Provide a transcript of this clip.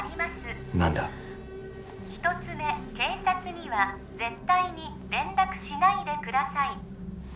一つ目警察には絶対に連絡しないでください